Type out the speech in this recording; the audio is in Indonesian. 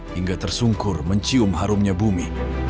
hingga tersungkur mencium harumnya bumi